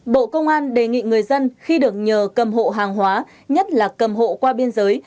bộ công an đề nghị người dân khi được nhờ cầm hộ hàng hóa nhất là cầm hộ qua biên giới